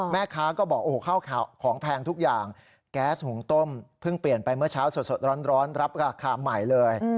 แม่ค้าก็บอกโอ้โหข้าวของแพงทุกอย่างแก๊สหุงต้มเพิ่งเปลี่ยนไปเมื่อเช้าสดร้อนรับราคาใหม่เลย